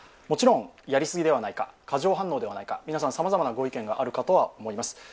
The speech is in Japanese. もちろん、やりすぎではないか、過剰反応ではないか、皆さん、さまざまご意見があるかと思います。